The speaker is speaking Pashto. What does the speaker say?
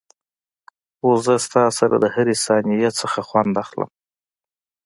خو زه تاسره دهرې ثانيې نه خوند اخلم.